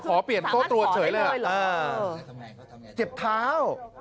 สู่ประของโตเข้าตัวเฉยเลยอ่ะเออเจ็บเท้า